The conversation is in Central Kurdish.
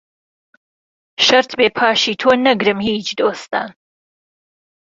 شەرت بێ پاشی تۆ نەگرم هیچ دۆستان